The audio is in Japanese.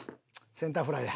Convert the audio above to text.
センターフライや。